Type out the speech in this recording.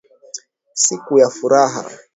Siku ya furaha.